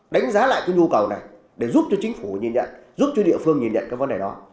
đánh giá lại cái nhu cầu này để giúp cho chính phủ nhìn nhận giúp cho địa phương nhìn nhận các vấn đề đó